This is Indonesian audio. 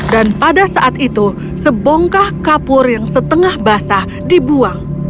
pada saat itu sebongkah kapur yang setengah basah dibuang